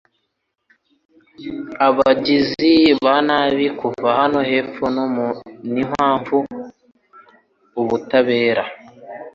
abagizi ba nabi kuva hano hepfo n'impamvu ubutabera